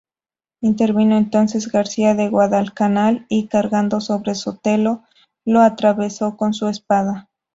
Intervino entonces Garcia de Guadalcanal y cargando sobre Sotelo, lo atravesó con su espada.